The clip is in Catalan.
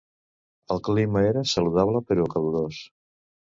El clima era saludable però calorós.